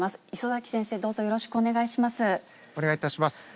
礒崎先生、どうぞよろしくお願いお願いいたします。